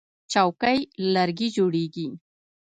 چوکۍ له لرګي جوړیږي.